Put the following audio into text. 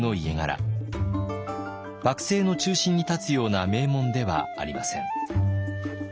幕政の中心に立つような名門ではありません。